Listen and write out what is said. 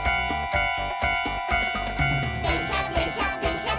「でんしゃでんしゃでんしゃっ